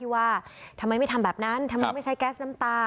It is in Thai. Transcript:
ว่าทำไมไม่ทำแบบนั้นทำไมไม่ใช้แก๊สน้ำตา